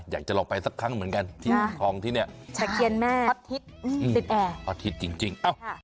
อยากจะลองไปสักครั้งเหมือนกันที่ทองที่เนี้ยชาเคียนแม่ออธิษฐ์ออธิษฐ์จริงจริง